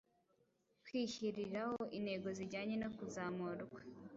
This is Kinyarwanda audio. kwihyiriraho intego zijyanye no kuzamurwa,